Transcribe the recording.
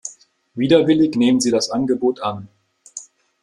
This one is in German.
Widerwillig nehmen sie das Angebot an.